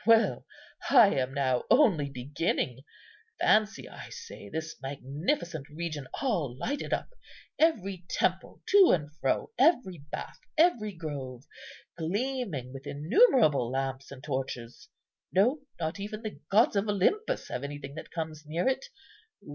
Well, I am now only beginning. Fancy, I say, this magnificent region all lighted up; every temple to and fro, every bath, every grove, gleaming with innumerable lamps and torches. No, not even the gods of Olympus have anything that comes near it.